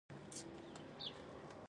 د دنیا قیمتي موټر له دوی سره وي.